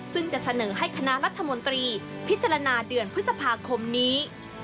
ซึ่งจะเสนอให้คณะรัฐมนตรีพิจารณาเดือนพฤษภาคมนี้